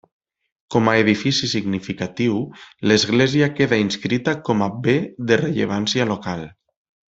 Com a edifici significatiu, l'església queda inscrita com a Bé de Rellevància Local.